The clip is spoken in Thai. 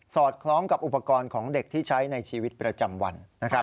อดคล้องกับอุปกรณ์ของเด็กที่ใช้ในชีวิตประจำวันนะครับ